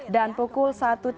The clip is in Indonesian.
dan pukul satu tiga puluh